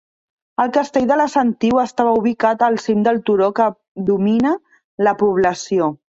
El castell de la Sentiu estava ubicat al cim del turó que domina la població.